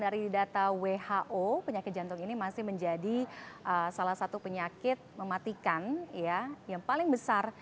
dari data who penyakit jantung ini masih menjadi salah satu penyakit mematikan ya yang paling besar